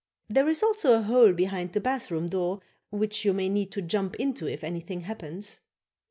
There is also a hole behind the bathroom door which you may need to jump into if anything happens.